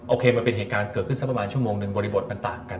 มันเป็นเหตุการณ์เกิดขึ้นสักประมาณชั่วโมงหนึ่งบริบทมันต่างกัน